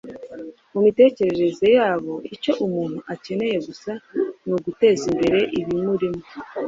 Mu mitekerereze yabo, icyo umuntu akeneye gusa ni uguteza imbere ibimurimo.